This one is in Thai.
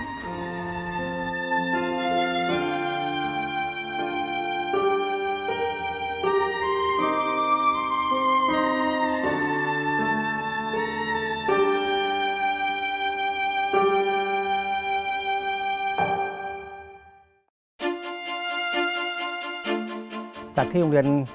หลังจากที่โรงเรียน